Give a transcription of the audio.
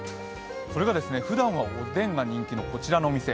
それが、ふだんはおでんが人気のこちらのお店。